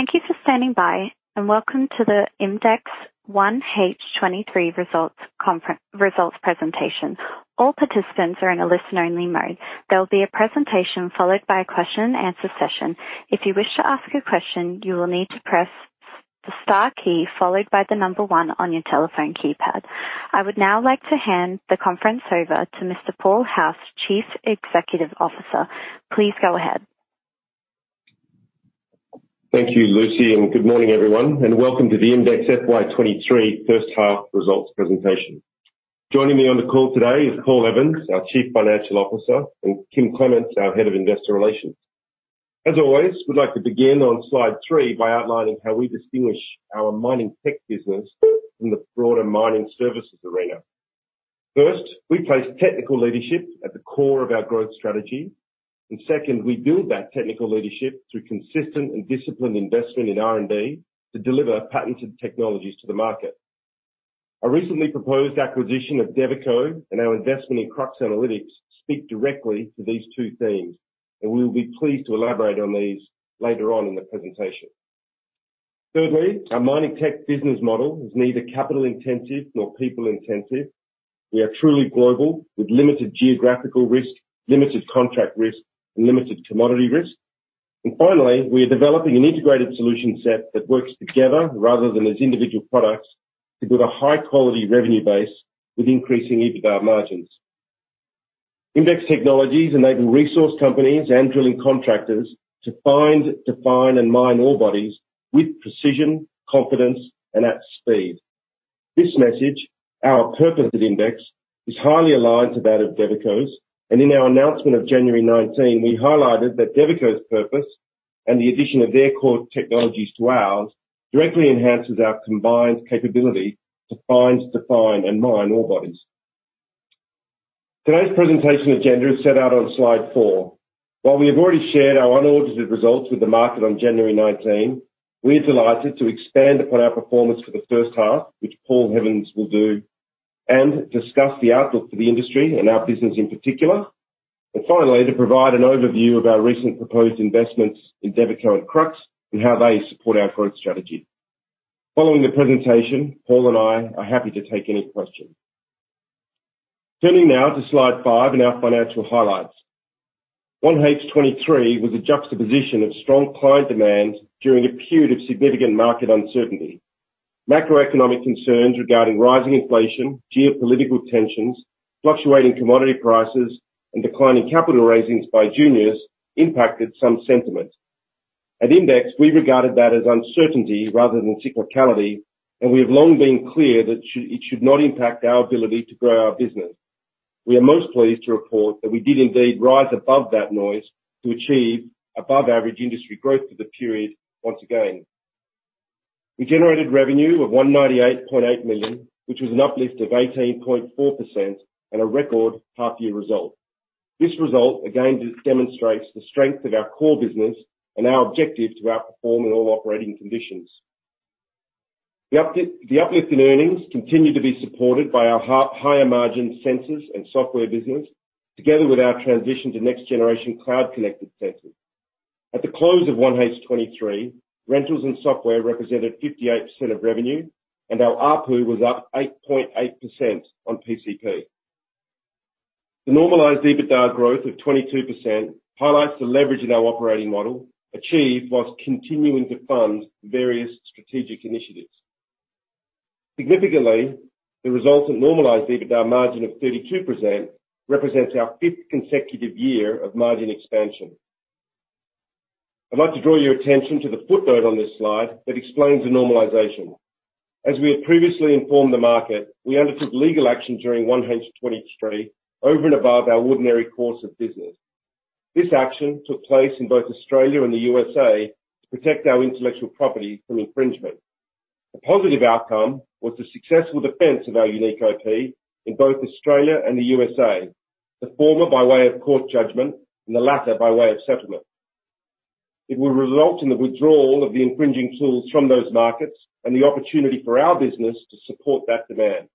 Thank you for standing by, and welcome to the IMDEX 1H 2023 results presentation. All participants are in a listen-only mode. There will be a presentation followed by a question and answer session. If you wish to ask a question, you will need to press the star key followed by the number one on your telephone keypad. I would now like to hand the conference over to Mr. Paul House, Chief Executive Officer. Please go ahead. Thank you, Lucy, and good morning, everyone, and welcome to the IMDEX FY 2023 first half results presentation. Joining me on the call today is Paul Evans, our Chief Financial Officer, and Kym Clements, our Head of Investor Relations. As always, we'd like to begin on slide 3 by outlining how we distinguish our mining-tech business from the broader mining services arena. First, we place technical leadership at the core of our growth strategy. Second, we build that technical leadership through consistent and disciplined investment in R&D to deliver patented technologies to the market. Our recently proposed acquisition of Devico and our investment in Krux Analytics speak directly to these two themes, and we will be pleased to elaborate on these later on in the presentation. Thirdly, our mining-tech business model is neither capital intensive nor people intensive. We are truly global with limited geographical risk, limited contract risk, and limited commodity risk. Finally, we are developing an integrated solution set that works together rather than as individual products to build a high-quality revenue base with increasing EBITDA margins. IMDEX technologies enable resource companies and drilling contractors to find, define, and mine ore bodies with precision, confidence, and at speed. This message, our purpose at IMDEX, is highly aligned to that of Devico's. In our announcement of January 19, we highlighted that Devico's purpose and the addition of their core technologies to ours directly enhances our combined capability to find, define, and mine ore bodies. Today's presentation agenda is set out on slide 4. While we have already shared our unaudited results with the market on January 19, we're delighted to expand upon our performance for the first half, which Paul Evans will do, and discuss the outlook for the industry and our business in particular. Finally, to provide an overview of our recent proposed investments in Devico and Krux and how they support our growth strategy. Following the presentation, Paul and I are happy to take any questions. Turning now to slide 5 and our financial highlights. 1H 2023 was a juxtaposition of strong client demand during a period of significant market uncertainty. Macroeconomic concerns regarding rising inflation, geopolitical tensions, fluctuating commodity prices, and declining capital raisings by juniors impacted some sentiment. At IMDEX, we regarded that as uncertainty rather than cyclicality, and we have long been clear that it should not impact our ability to grow our business. We are most pleased to report that we did indeed rise above that noise to achieve above average industry growth for the period once again. We generated revenue of 198.8 million, which was an uplift of 18.4% and a record half year result. This result again just demonstrates the strength of our core business and our objective to outperform in all operating conditions. The uplift in earnings continue to be supported by our higher margin sensors and software business, together with our transition to next generation cloud-connected sensors. At the close of 1H 2023, rentals and software represented 58% of revenue, and our ARPU was up 8.8% on PCP. The normalized EBITDA growth of 22% highlights the leverage in our operating model, achieved whilst continuing to fund various strategic initiatives. Significantly, the results of normalized EBITDA margin of 32% represents our fifth consecutive year of margin expansion. I'd like to draw your attention to the footnote on this slide that explains the normalization. As we have previously informed the market, we undertook legal action during 1H 2023 over and above our ordinary course of business. This action took place in both Australia and the USA to protect our intellectual property from infringement. The positive outcome was the successful defense of our unique IP in both Australia and the USA, the former by way of court judgment and the latter by way of settlement. It will result in the withdrawal of the infringing tools from those markets and the opportunity for our business to support that demand.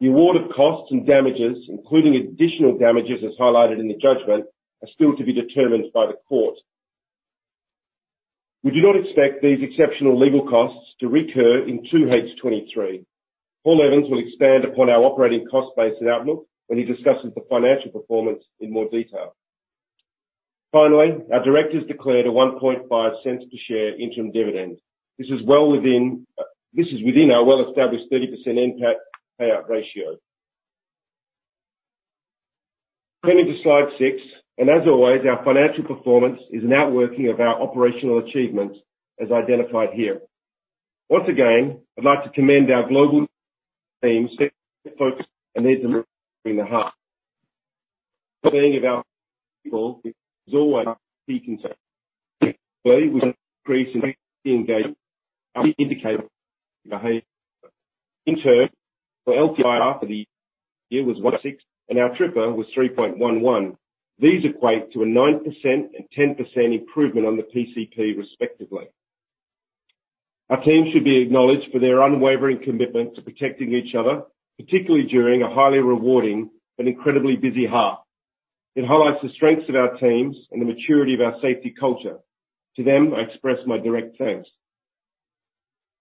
The awarded costs and damages, including additional damages, as highlighted in the judgment, are still to be determined by the court. We do not expect these exceptional legal costs to recur in 2H 2023. Paul Evans will expand upon our operating cost base and outlook when he discusses the financial performance in more detail. Finally, our directors declared an 0.015 per share interim dividend. This is within our well-established 30% NPAT payout ratio. Turning to slide 6, as always, our financial performance is an outworking of our operational achievements as identified here. Once again, I'd like to commend our global teams, folks, and their delivery. Saying of our people is always a key concern. We increase engagement, indicate behavior. In turn, the LTIR for the year was 1.6, and our TRIFR was 3.11. These equate to a 9% and 10% improvement on the PCP respectively. Our team should be acknowledged for their unwavering commitment to protecting each other, particularly during a highly rewarding and incredibly busy half. It highlights the strengths of our teams and the maturity of our safety culture. To them, I express my direct thanks.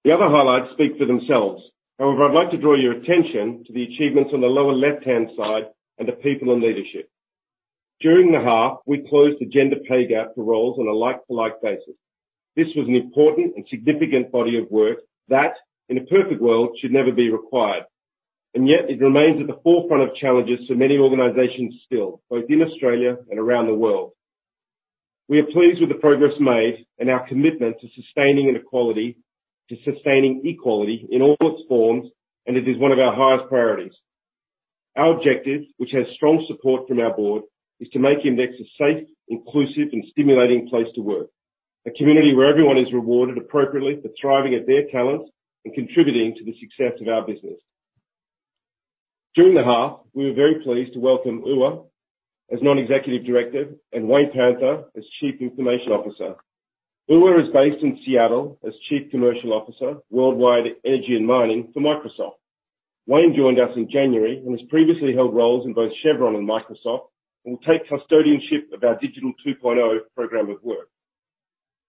The other highlights speak for themselves. I'd like to draw your attention to the achievements on the lower left-hand side and the people in leadership. During the half, we closed the gender pay gap for roles on a like-to-like basis. This was an important and significant body of work that, in a perfect world, should never be required, and yet it remains at the forefront of challenges to many organizations still, both in Australia and around the world. We are pleased with the progress made and our commitment to sustaining equality in all its forms. It is one of our highest priorities. Our objective, which has strong support from our board, is to make IMDEX a safe, inclusive, and stimulating place to work. A community where everyone is rewarded appropriately for thriving at their talents and contributing to the success of our business. During the half, we were very pleased to welcome Uwe as Non-Executive Director and Wayne Panther as Chief Information Officer. Uwe is based in Seattle as Chief Commercial Officer, Worldwide Energy and Mining for Microsoft. Wayne joined us in January and has previously held roles in both Chevron and Microsoft, and will take custodianship of our Digital 2.0 program of work.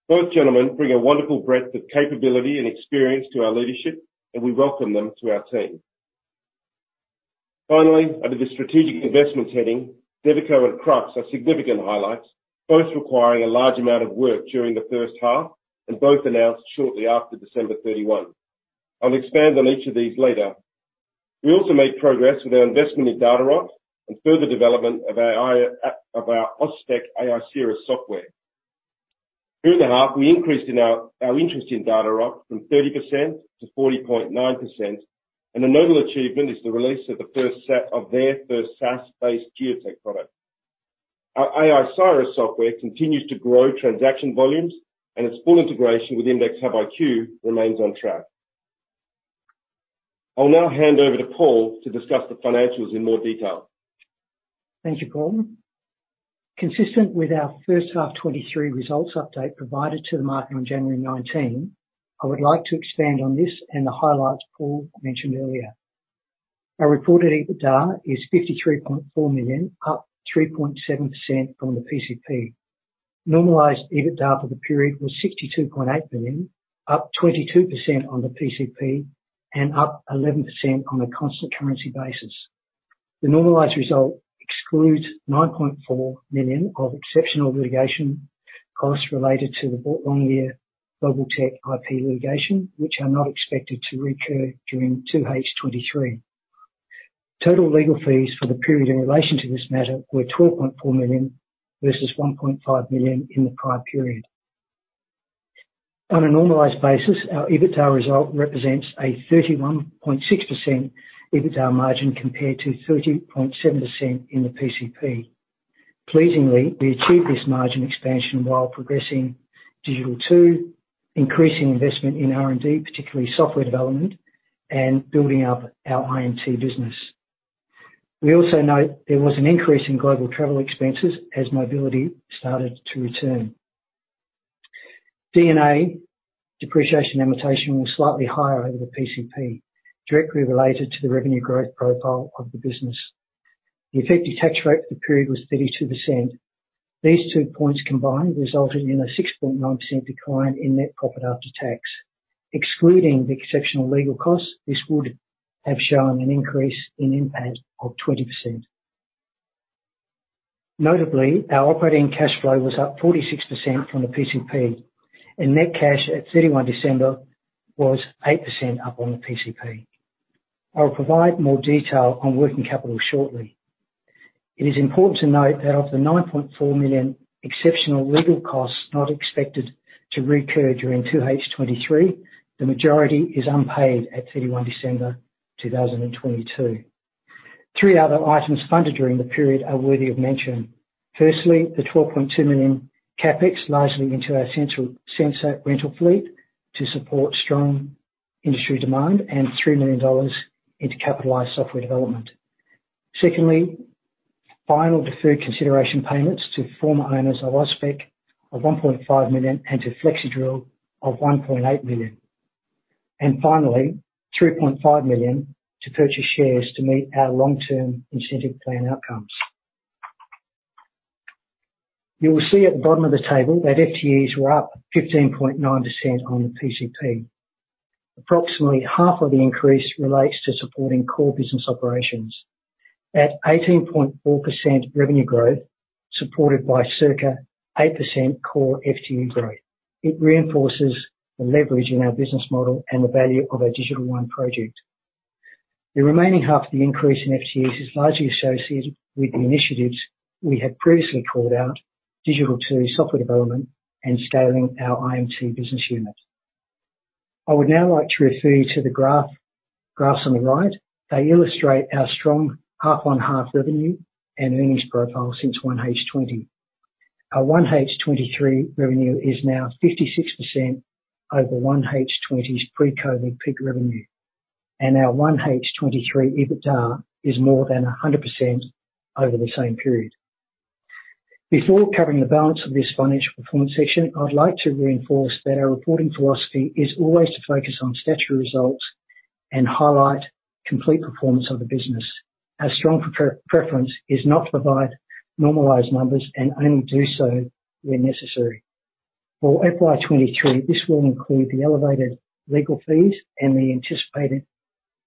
Both gentlemen bring a wonderful breadth of capability and experience to our leadership. We welcome them to our team. Finally, under the strategic investment heading, Devico and Krux are significant highlights, both requiring a large amount of work during the first half, and both announced shortly after December 31. I'll expand on each of these later. We also made progress with our investment in Datarock and further development of our AusSpec aiSIRIS software. During the half, we increased in our interest in Datarock from 30%-40.9%. A notable achievement is the release of the first set of their first SaaS-based geotech product. Our aiSIRIS software continues to grow transaction volumes. Its full integration with IMDEXHUB-IQ remains on track. I'll now hand over to Paul to discuss the financials in more detail. Thank you, Paul. Consistent with our first half 2023 results update provided to the market on January 19, I would like to expand on this and the highlights Paul mentioned earlier. Our reported EBITDA is 53.4 million, up 3.7% from the PCP. Normalized EBITDA for the period was 62.8 million, up 22% on the PCP and up 11% on a constant currency basis. The normalized result excludes 9.4 million of exceptional litigation costs related to the Boart Longyear Globaltech IP litigation, which are not expected to recur during 2H 2023. Total legal fees for the period in relation to this matter were 12.4 million versus 1.5 million in the prior period. On a normalized basis, our EBITDA result represents a 31.6% EBITDA margin compared to 30.7% in the PCP. Pleasingly, we achieved this margin expansion while progressing Digital 2.0, increasing investment in R&D, particularly software development, and building up our IMT business. We also note there was an increase in global travel expenses as mobility started to return. D&A depreciation limitation was slightly higher over the PCP, directly related to the revenue growth profile of the business. The effective tax rate for the period was 32%. These two points combined resulted in a 6.9% decline in NPAT. Excluding the exceptional legal costs, this would have shown an increase in NPAT of 20%. Notably, our OCF was up 46% from the PCP, and net cash at 31 December was 8% up on the PCP. I'll provide more detail on working capital shortly. It is important to note that of the 9.4 million exceptional legal costs not expected to recur during 2H 2023, the majority is unpaid at 31 December 2022. Three other items funded during the period are worthy of mention. Firstly, the 12.2 million CapEx, largely into our central sensor rental fleet, to support strong industry demand and 3 million dollars into capitalized software development. Secondly, final deferred consideration payments to former owners of AusSpec of 1.5 million and to Flexidrill of 1.8 million. Finally, 3.5 million to purchase shares to meet our long-term incentive plan outcomes. You will see at the bottom of the table that FTEs were up 15.9% on the PCP. Approximately half of the increase relates to supporting core business operations. At 18.4% revenue growth, supported by circa 8% core FTE growth, it reinforces the leverage in our business model and the value of our Digital One project. The remaining half of the increase in FTEs is largely associated with the initiatives we had previously called out, Digital 2.0 software development and scaling our IMT business unit. I would now like to refer you to the graphs on the right. They illustrate our strong half on half revenue and earnings profile since 1H 2020. Our 1H 2023 revenue is now 56% over 1H 2020's pre-COVID peak revenue. Our 1H 2023 EBITDA is more than 100% over the same period. Before covering the balance of this financial performance section, I would like to reinforce that our reporting philosophy is always to focus on statutory results and highlight complete performance of the business. Our strong pre-preference is not to provide normalized numbers and only do so where necessary. For FY 2023, this will include the elevated legal fees and the anticipated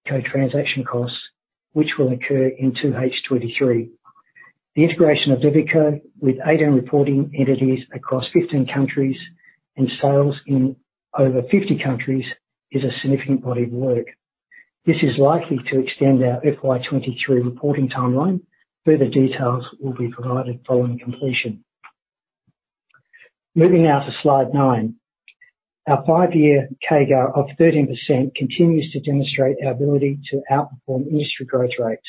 co-transaction costs, which will occur in 2H 2023. The integration of Devico with ADM reporting entities across 15 countries and sales in over 50 countries is a significant body of work. This is likely to extend our FY 2023 reporting timeline. Further details will be provided following completion. Moving now to slide 9. Our five-year CAGR of 13% continues to demonstrate our ability to outperform industry growth rates.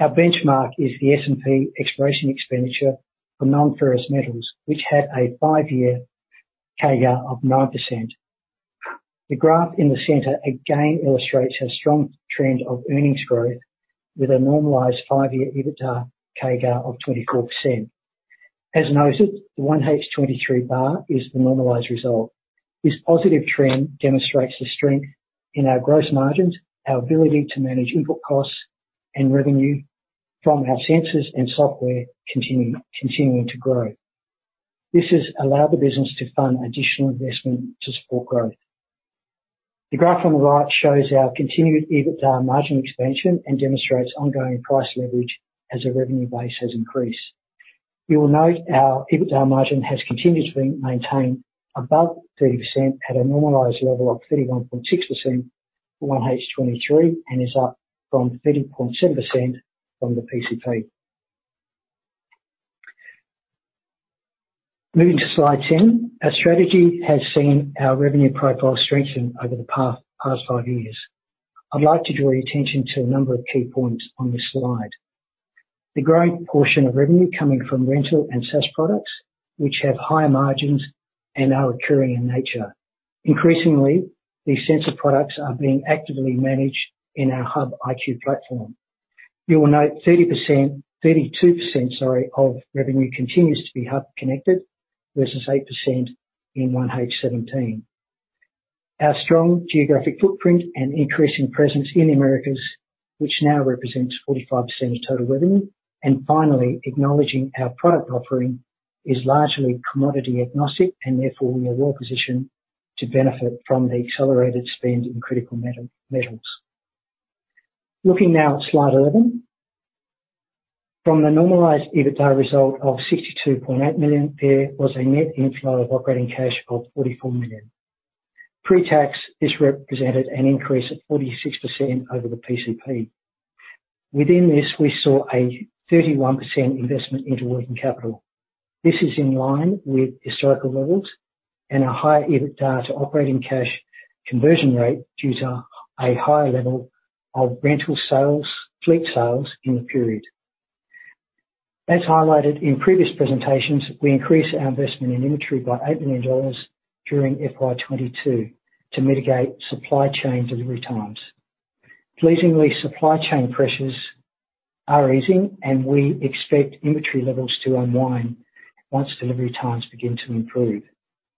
Our Benchmark is the S&P exploration expenditure for non-ferrous metals, which had a five-year CAGR of 9%. The graph in the center again illustrates a strong trend of earnings growth with a normalized five-year EBITDA CAGR of 24%. As noted, the 1H 2023 bar is the normalized result. This positive trend demonstrates the strength in our gross margins, our ability to manage input costs and revenue from our sensors and software continuing to grow. This has allowed the business to fund additional investment to support growth. The graph on the right shows our continued EBITDA margin expansion and demonstrates ongoing price leverage as the revenue base has increased. You will note our EBITDA margin has continued to be maintained above 30% at a normalized level of 31.6% for 1H 2023, and is up from 30.7% from the PCP. Moving to slide 10. Our strategy has seen our revenue profile strengthen over the past five years. I'd like to draw your attention to a number of key points on this slide. The growing portion of revenue coming from rental and SaaS products, which have higher margins and are recurring in nature. Increasingly, these sensor products are being actively managed in our Hub IQ platform. You will note 32%, sorry, of revenue continues to be hub connected, versus 8% in 1H 17. Our strong geographic footprint and increasing presence in the Americas, which now represents 45% of total revenue. Finally, acknowledging our product offering is largely commodity agnostic and therefore we are well positioned to benefit from the accelerated spend in critical meta-metals. Looking now at slide 11. From the normalized EBITDA result of 62.8 million, there was a net inflow of operating cash of 44 million. Pre-tax, this represented an increase of 46% over the PCP. Within this, we saw a 31% investment into working capital. This is in line with historical levels and a higher EBITDA to operating cash conversion rate due to a higher level of rental sales, fleet sales in the period. As highlighted in previous presentations, we increased our investment in inventory by 8 million dollars during FY 2022 to mitigate supply chain delivery times. Pleasingly, supply chain pressures are easing, and we expect inventory levels to unwind once delivery times begin to improve.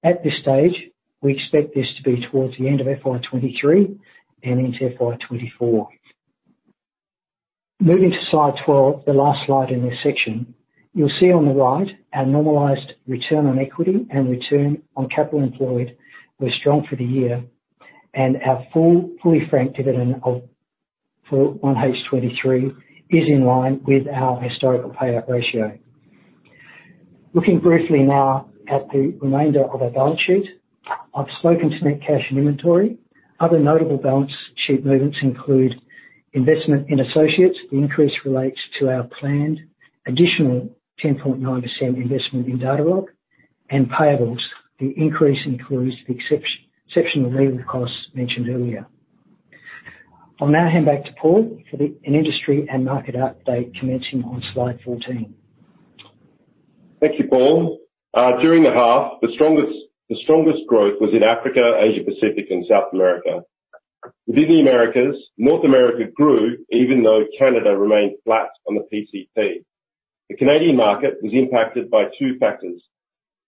At this stage, we expect this to be towards the end of FY 2023 and into FY 2024. Moving to slide 12, the last slide in this section. You'll see on the right our normalized return on equity and return on capital employed were strong for the year, and our full, fully franked dividend for 1H 2023 is in line with our historical payout ratio. Looking briefly now at the remainder of our balance sheet. I've spoken to net cash and inventory. Other notable balance sheet movements include investment in associates. The increase relates to our planned additional 10.9% investment in Datarock. Payables, the increase includes the exceptional legal costs mentioned earlier. I'll now hand back to Paul for an industry and market update commencing on slide 14. Thank you, Paul. During the half, the strongest growth was in Africa, Asia Pacific and South America. Within the Americas, North America grew even though Canada remained flat on the PCP. The Canadian market was impacted by two factors.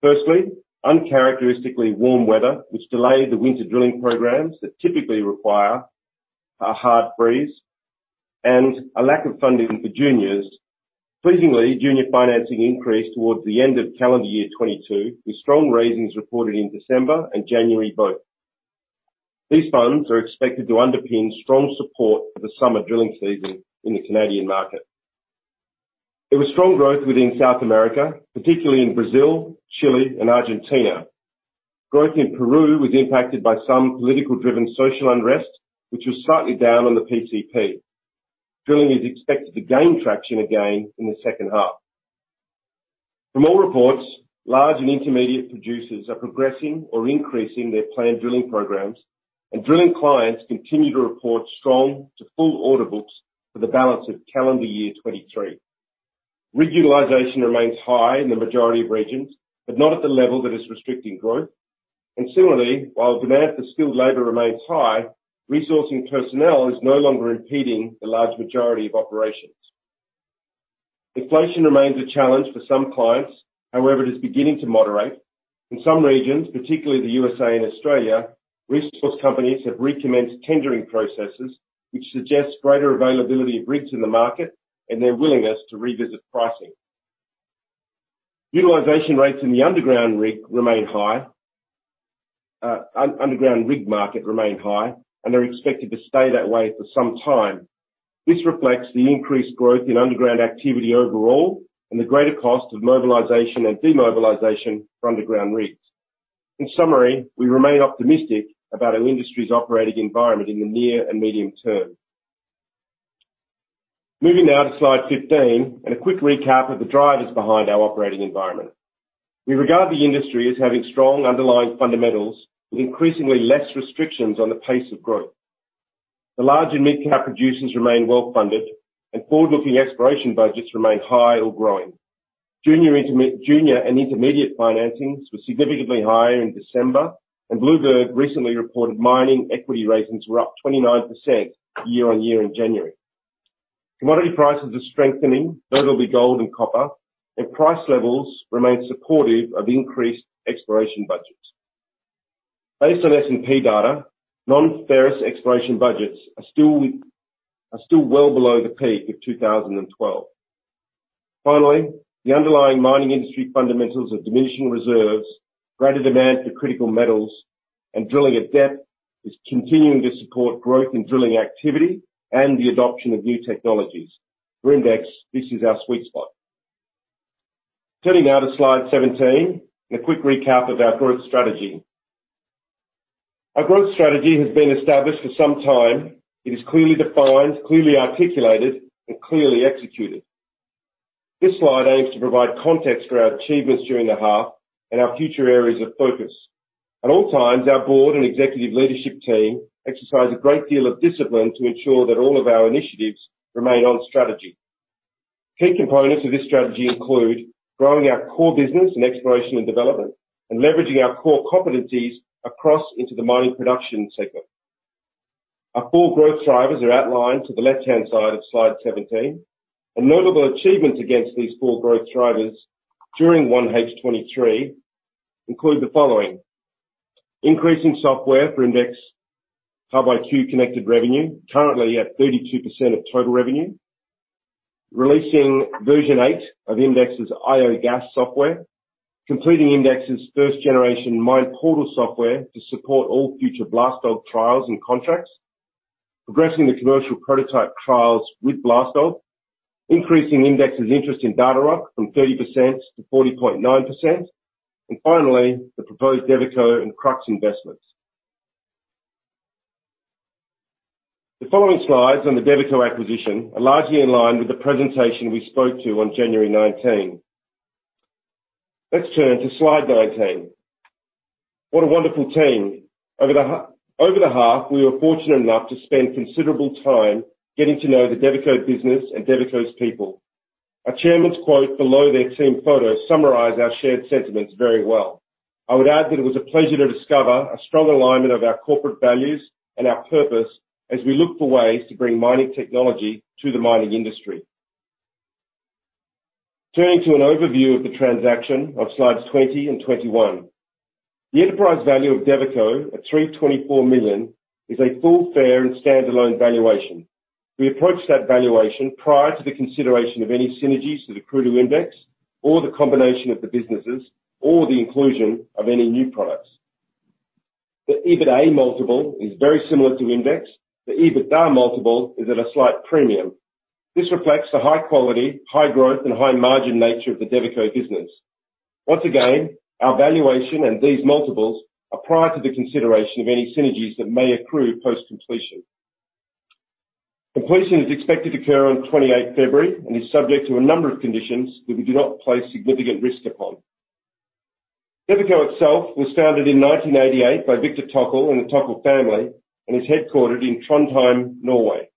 Firstly, uncharacteristically warm weather, which delayed the winter drilling programs that typically require a hard freeze and a lack of funding for juniors. Pleasingly, junior financing increased towards the end of calendar year 2022, with strong raisings reported in December and January both. These funds are expected to underpin strong support for the summer drilling season in the Canadian market. There was strong growth within South America, particularly in Brazil, Chile and Argentina. Growth in Peru was impacted by some political driven social unrest, which was slightly down on the PCP. Drilling is expected to gain traction again in the second half. From all reports, large and intermediate producers are progressing or increasing their planned drilling programs, and drilling clients continue to report strong to full order books for the balance of calendar year 2023. Rig utilization remains high in the majority of regions, but not at the level that is restricting growth. Similarly, while demand for skilled labor remains high, resourcing personnel is no longer impeding the large majority of operations. Inflation remains a challenge for some clients. However, it is beginning to moderate. In some regions, particularly the USA and Australia, resource companies have recommenced tendering processes which suggest greater availability of rigs in the market and their willingness to revisit pricing. Utilization rates in the underground rig market remain high and are expected to stay that way for some time. This reflects the increased growth in underground activity overall and the greater cost of mobilization and demobilization for underground rigs. In summary, we remain optimistic about our industry's operating environment in the near and medium term. Moving now to slide 15 and a quick recap of the drivers behind our operating environment. We regard the industry as having strong underlying fundamentals with increasingly less restrictions on the pace of growth. The large and mid-cap producers remain well-funded. Forward-looking exploration budgets remain high or growing. Junior and intermediate financings were significantly higher in December, and Bloomberg recently reported mining equity ratings were up 29% year-on-year in January. Commodity prices are strengthening, notably gold and copper, and price levels remain supportive of increased exploration budgets. Based on S&P data, non-ferrous exploration budgets are still well below the peak of 2012. Finally, the underlying mining industry fundamentals of diminishing reserves, greater demand for critical metals, and drilling at depth is continuing to support growth in drilling activity and the adoption of new technologies. For IMDEX, this is our sweet spot. Turning now to slide 17 and a quick recap of our growth strategy. Our growth strategy has been established for some time. It is clearly defined, clearly articulated, and clearly executed. This slide aims to provide context for our achievements during the half and our future areas of focus. At all times, our board and executive leadership team exercise a great deal of discipline to ensure that all of our initiatives remain on strategy. Key components of this strategy include growing our core business in exploration and development and leveraging our core competencies across into the mining production segment. Our four growth drivers are outlined to the left-hand side of slide 17. Notable achievements against these four growth drivers during 1H 2023 include the following: Increasing software for IMDEXHUB-IQ connected revenue, currently at 32% of total revenue. Releasing version eight of IMDEX's ioGAS software. Completing IMDEX's first-generation MinePortal software to support all future BLASTDOG trials and contracts. Progressing the commercial prototype trials with BLASTDOG. Increasing IMDEX's interest in Datarock from 30%0.9%. Finally, the proposed Devico and Krux investments. The following slides on the Devico acquisition are largely in line with the presentation we spoke to on January 19. Let's turn to slide 19. What a wonderful team. Over the half, we were fortunate enough to spend considerable time getting to know the Devico business and Devico's people. Our chairman's quote below their team photo summarize our shared sentiments very well. I would add that it was a pleasure to discover a strong alignment of our corporate values and our purpose as we look for ways to bring mining technology to the mining industry. Turning to an overview of the transaction of slides 20 and 21. The enterprise value of Devico at 324 million is a full, fair, and standalone valuation. We approached that valuation prior to the consideration of any synergies that accrue to IMDEX or the combination of the businesses or the inclusion of any new products. The EBITDA multiple is very similar to IMDEX. The EBITDA multiple is at a slight premium. This reflects the high quality, high growth, and high margin nature of the Devico business. Once again, our valuation and these multiples are prior to the consideration of any synergies that may accrue post-completion. Completion is expected to occur on 28 February and is subject to a number of conditions that we do not place significant risk upon. Devico itself was founded in 1988 by Viktor Tokle and the Tokle family and is headquartered in Trondheim, Norway.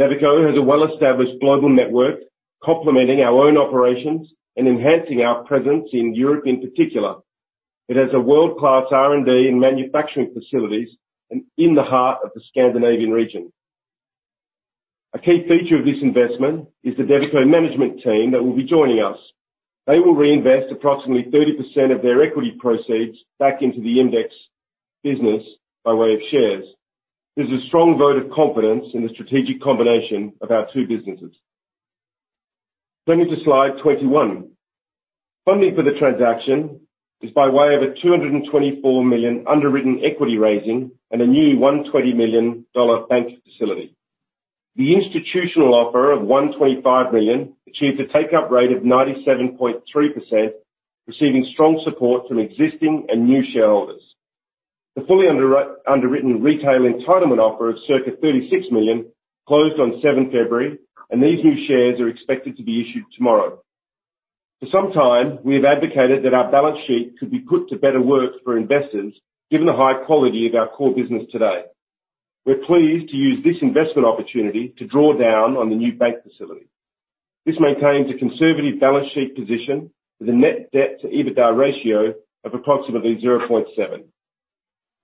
Devico has a well-established global network complementing our own operations and enhancing our presence in Europe in particular. It has a world-class R&D and manufacturing facilities in the heart of the Scandinavian region. A key feature of this investment is the Devico management team that will be joining us. They will reinvest approximately 30% of their equity proceeds back into the IMDEX business by way of shares. This is a strong vote of confidence in the strategic combination of our two businesses. Turning to slide 21. Funding for the transaction is by way of a AUD 224 million underwritten equity raising and a new AUD 120 million bank facility. The institutional offer of AUD 125 million achieved a take-up rate of 97.3%, receiving strong support from existing and new shareholders. The fully underwritten retail entitlement offer of circa 36 million closed on 7th February, these new shares are expected to be issued tomorrow. For some time, we have advocated that our balance sheet could be put to better work for investors, given the high quality of our core business today. We're pleased to use this investment opportunity to draw down on the new bank facility. This maintains a conservative balance sheet position with a net debt-to-EBITDA ratio of approximately 0.7.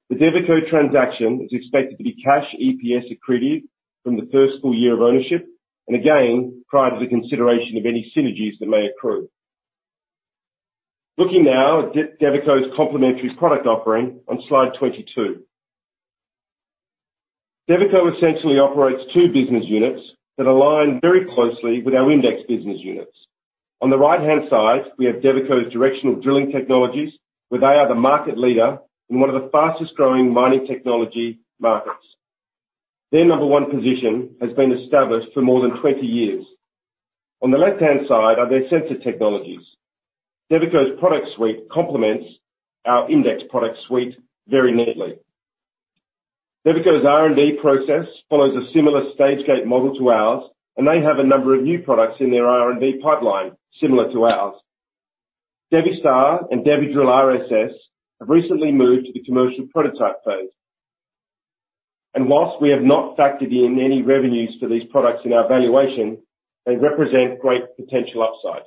The Devico transaction is expected to be cash EPS accretive from the first full-year of ownership, and again, prior to the consideration of any synergies that may accrue. Looking now at Devico's complementary product offering on slide 22. Devico essentially operates two business units that align very closely with our IMDEX business units. On the right-hand side, we have Devico's directional drilling technologies, where they are the market leader in one of the fastest growing mining technology markets. Their number one position has been established for more than 20 years. On the left-hand side are their sensor technologies. Devico's product suite complements our IMDEX product suite very neatly. Devico's R&D process follows a similar stage-gate model to ours, and they have a number of new products in their R&D pipeline similar to ours. DeviStar and DeviDrill RSS have recently moved to the commercial prototype phase. Whilst we have not factored in any revenues for these products in our valuation, they represent great potential upside.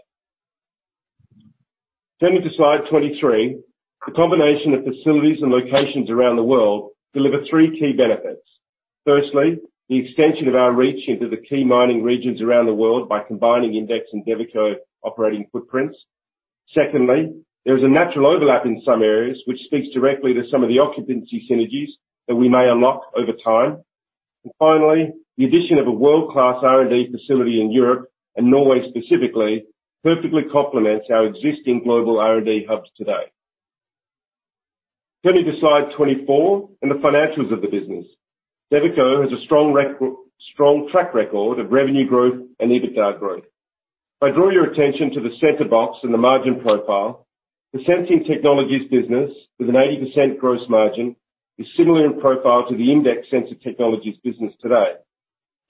Turning to slide 23. The combination of facilities and locations around the world deliver three key benefits. Firstly, the extension of our reach into the key mining regions around the world by combining IMDEX and Devico operating footprints. Secondly, there is a natural overlap in some areas which speaks directly to some of the occupancy synergies that we may unlock over time. Finally, the addition of a world-class R&D facility in Europe and Norway specifically, perfectly complements our existing global R&D hubs today. Turning to slide 24 and the financials of the business. Devico has a strong track record of revenue growth and EBITDA growth. If I draw your attention to the center box and the margin profile, the sensing technologies business with an 80% gross margin is similar in profile to the IMDEX sensor technologies business today.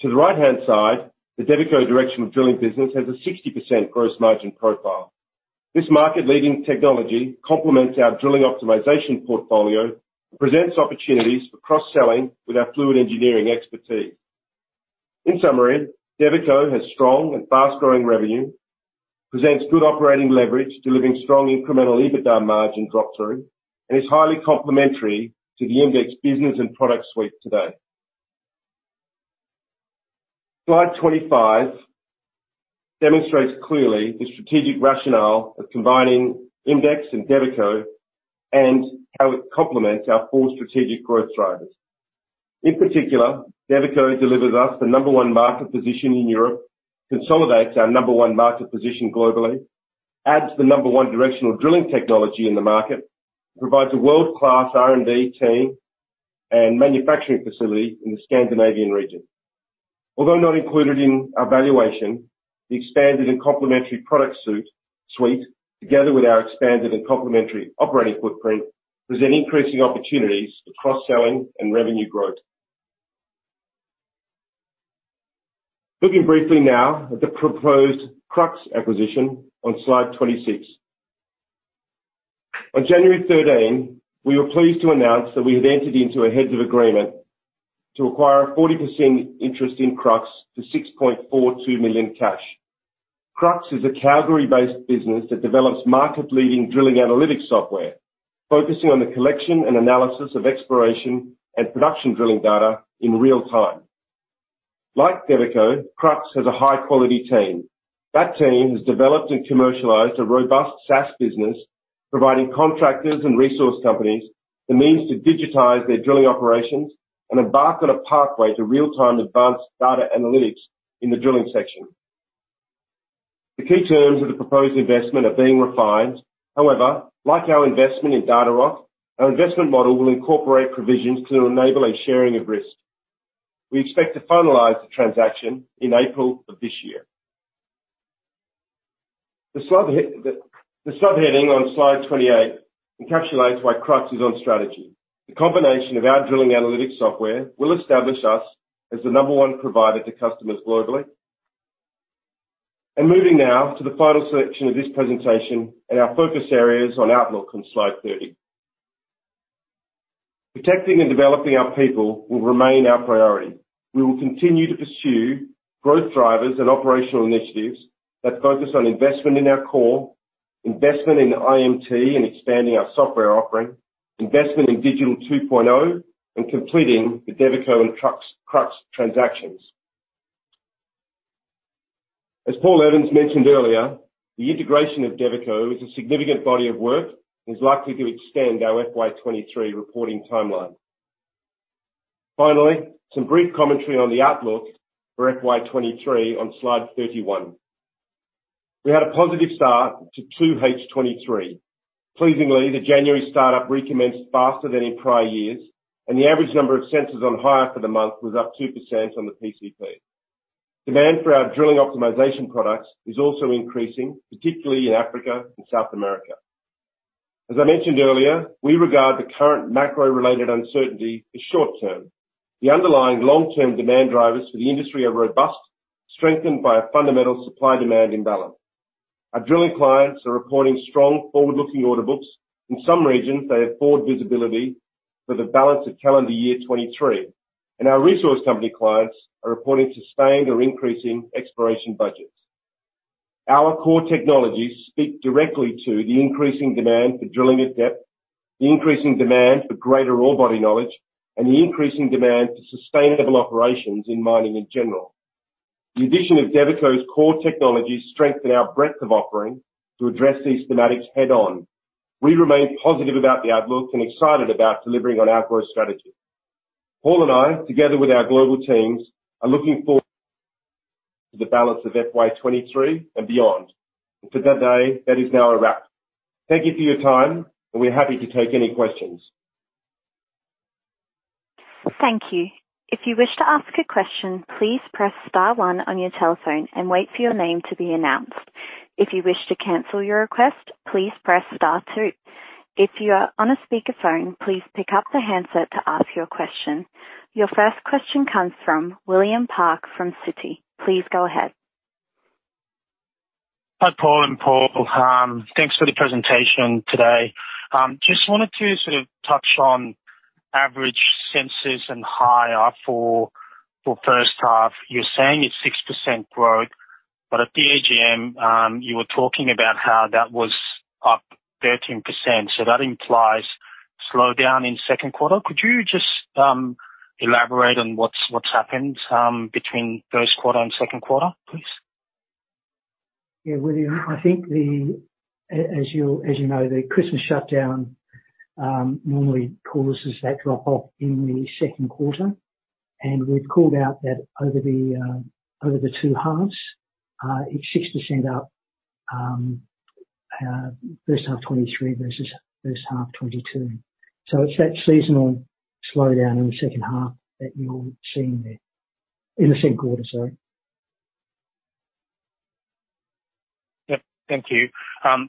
To the right-hand side, the Devico directional drilling business has a 60% gross margin profile. This market leading technology complements our drilling optimization portfolio, presents opportunities for cross-selling with our fluid engineering expertise. In summary, Devico has strong and fast growing revenue, presents good operating leverage delivering strong incremental EBITDA margin drop-through, and is highly complementary to the IMDEX business and product suite today. Slide 25 demonstrates clearly the strategic rationale of combining IMDEX and Devico and how it complements our four strategic growth drivers. In particular, Devico delivers us the number one market position in Europe, consolidates our number one market position globally, adds the number one directional drilling technology in the market, provides a world-class R&D team and manufacturing facility in the Scandinavian region. Although not included in our valuation, the expanded and complementary product suite together with our expanded and complementary operating footprint, present increasing opportunities for cross-selling and revenue growth. Looking briefly now at the proposed Krux acquisition on slide 26. On January 13, we were pleased to announce that we had entered into a heads of agreement to acquire a 40% interest in Krux for 6.42 million cash. Krux is a Calgary-based business that develops market-leading drilling analytics software focusing on the collection and analysis of exploration and production drilling data in real time. Like Devico, Krux has a high-quality team. That team has developed and commercialized a robust SaaS business, providing contractors and resource companies the means to digitize their drilling operations and embark on a pathway to real-time advanced data analytics in the drilling section. The key terms of the proposed investment are being refined. However, like our investment in Datarock, our investment model will incorporate provisions to enable a sharing of risk. We expect to finalize the transaction in April of this year. The subheading on slide 28 encapsulates why Krux is on strategy. The combination of our drilling analytics software will establish us as the number one provider to customers globally. Moving now to the final section of this presentation and our focus areas on outlook on slide 30. Protecting and developing our people will remain our priority. We will continue to pursue growth drivers and operational initiatives that focus on investment in our core, investment in IMT and expanding our software offering, investment in Digital 2.0, and completing the Devico and Krux transactions. As Paul Evans mentioned earlier, the integration of Devico is a significant body of work and is likely to extend our FY 2023 reporting timeline. Some brief commentary on the outlook for FY 2023 on slide 31. We had a positive start to 2H 2023. Pleasingly, the January start up recommenced faster than in prior years, and the average number of sensors on hire for the month was up 2% on the PCP. Demand for our drilling optimization products is also increasing, particularly in Africa and South America. As I mentioned earlier, we regard the current macro related uncertainty as short term. The underlying long term demand drivers for the industry are robust, strengthened by a fundamental supply demand imbalance. Our drilling clients are reporting strong forward-looking order books. In some regions, they have forward visibility for the balance of calendar year 2023. Our resource company clients are reporting sustained or increasing exploration budgets. Our core technologies speak directly to the increasing demand for drilling at depth, the increasing demand for greater ore body knowledge, and the increasing demand for sustainable operations in mining in general. The addition of Devico's core technologies strengthen our breadth of offering to address these thematics head-on. We remain positive about the outlook and excited about delivering on our growth strategy. Paul and I, together with our global teams, are looking forward to the balance of FY 2023 and beyond. For that day, that is now a wrap. Thank you for your time, and we're happy to take any questions. Thank you. If you wish to ask a question, please press star one on your telephone and wait for your name to be announced. If you wish to cancel your request, please press star two. If you are on a speakerphone, please pick up the handset to ask your question. Your first question comes from William Park from Citi. Please go ahead. Hi, Paul and Paul. Thanks for the presentation today. Just wanted to sort of touch on average census and hire for first half. You're saying it's 6% growth, at the AGM, you were talking about how that was up 13%. That implies slowdown in second quarter. Could you just elaborate on what's happened between first quarter and second quarter, please? Yeah, William, I think the as you know, the Christmas shutdown normally causes that drop-off in the second quarter. We've called out that over the over the two halves, it's 6% up, first half 2023 versus first half 2022. It's that seasonal slowdown in the second half that you're seeing there. In the second quarter, sorry. Yep. Thank you.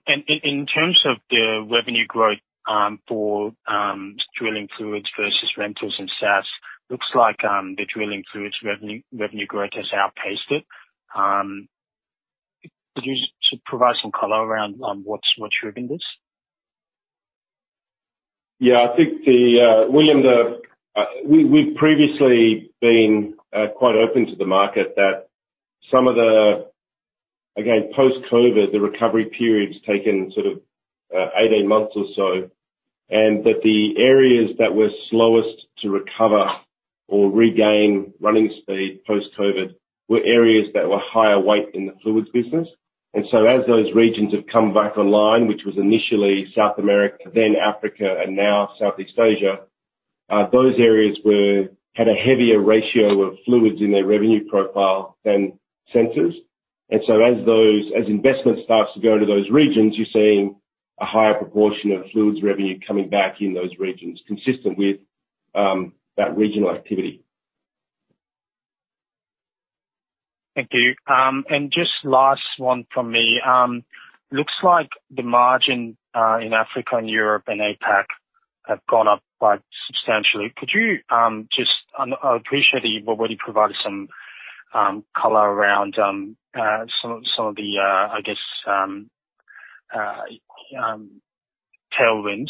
In terms of the revenue growth for drilling fluids versus rentals and SaaS, looks like the drilling fluids revenue growth has outpaced it. Could you just provide some color around what's driven this? Yeah. I think William, we've previously been quite open to the market that some of the, again, post-COVID, the recovery period's taken sort of 18 months or so, and that the areas that were slowest to recover or regain running speed post-COVID were areas that were higher weight in the fluids business. As those regions have come back online, which was initially South America, then Africa, and now Southeast Asia, those areas had a heavier ratio of fluids in their revenue profile than sensors. As those, as investment starts to go into those regions, you're seeing a higher proportion of fluids revenue coming back in those regions, consistent with that regional activity. Thank you. Just last one from me. Looks like the margin in Africa and Europe and APAC have gone up quite substantially. I appreciate that you've already provided some color around some of the, I guess, tailwinds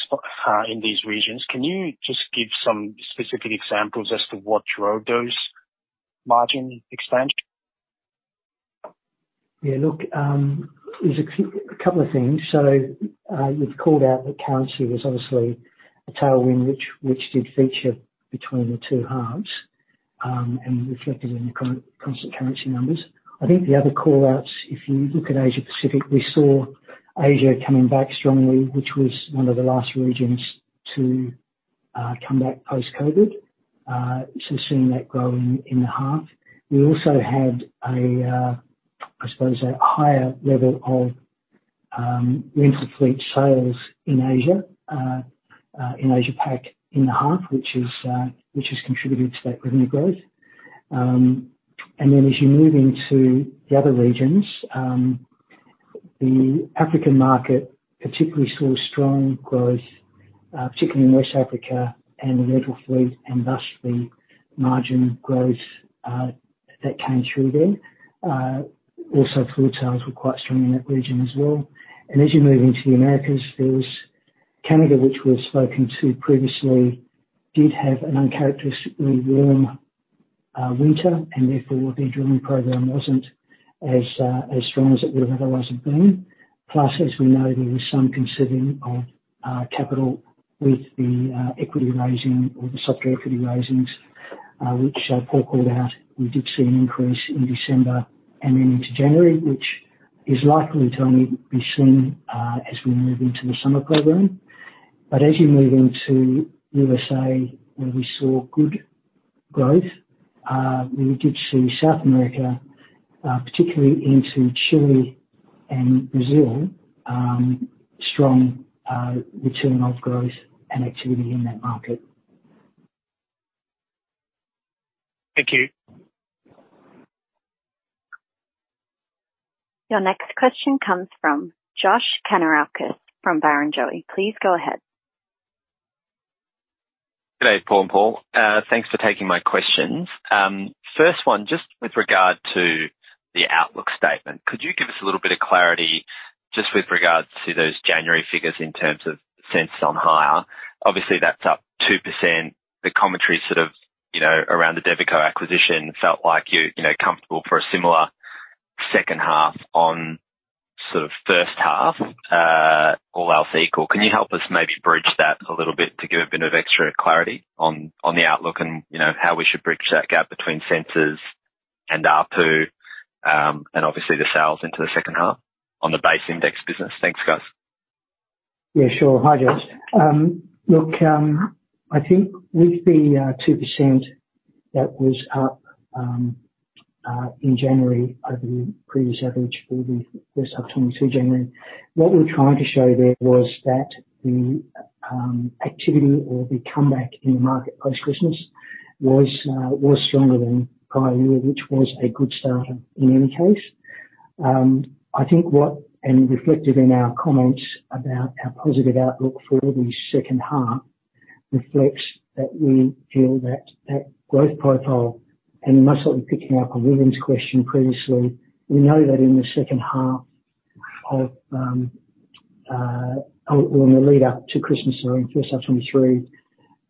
in these regions. Can you just give some specific examples as to what drove those margin expansion? Look, there's a couple of things. You've called out that currency was obviously a tailwind which did feature between the two halves and reflected in the constant currency numbers. I think the other call-outs, if you look at Asia Pacific, we saw Asia coming back strongly, which was one of the last regions to come back post-COVID. Seeing that grow in the half. We also had, I suppose, a higher level of rental fleet sales in Asia, in Asia Pac, in the half, which has contributed to that revenue growth. As you move into the other regions, the African market particularly saw strong growth, particularly in West Africa and the rental fleet, and thus the margin growth that came through there. Also fluid sales were quite strong in that region as well. As you move into the Americas, there's Canada, which we've spoken to previously, did have an uncharacteristically warm winter, and therefore their drilling program wasn't as strong as it would have otherwise have been. Plus, as we know, there was some conserving of capital with the equity raising or the soft equity raisings, which Paul called out. We did see an increase in December and then into January, which is likely to only be seen as we move into the summer program. As you move into USA, where we saw good growth, we did see South America, particularly into Chile and Brazil, strong return of growth and activity in that market. Thank you. Your next question comes from Josh Kannourakis from Barrenjoey. Please go ahead. Good day, Paul and Paul. Thanks for taking my questions. First one, just with regard to the outlook statement, could you give us a little bit of clarity just with regards to those January figures in terms of census on hire? Obviously, that's up 2%. The commentary sort of, you know, around the Devico acquisition felt like you're, you know, comfortable for a similar second half on sort of first half, all else equal. Can you help us maybe bridge that a little bit to give a bit of extra clarity on the outlook and, you know, how we should bridge that gap between census and ARPU, and obviously the sales into the second half on the base IMDEX business? Thanks, guys. Yeah, sure. Hi, Josh. Look, I think with the 2% that was up in January over the previous average for the first of 2022 January. What we're trying to show there was that the activity or the comeback in the market post-Christmas was stronger than prior year, which was a good starter in any case. I think what and reflected in our comments about our positive outlook for the second half reflects that we feel that growth profile, and much like we're picking up on William's question previously, we know that in the second half of or in the lead up to Christmas or in first of 2023